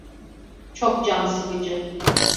Çok can sıkıcı.